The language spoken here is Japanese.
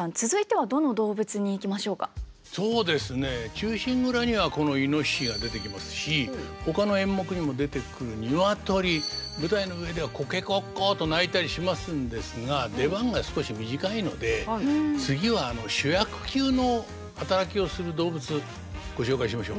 「忠臣蔵」にはこの猪が出てきますしほかの演目にも出てくる鶏舞台の上ではコケコッコと鳴いたりしますんですが出番が少し短いので次はご紹介しましょう。